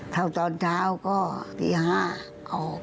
เท่าตอนเช้าก็ตี๕ออก